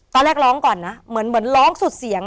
ตอนแรกร้องก่อนนะเหมือนร้องสุดเสียง